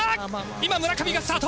今村上がスタート！